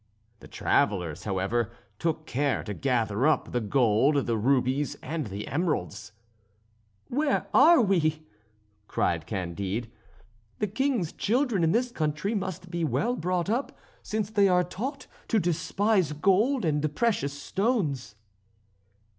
The travellers, however, took care to gather up the gold, the rubies, and the emeralds. "Where are we?" cried Candide. "The king's children in this country must be well brought up, since they are taught to despise gold and precious stones."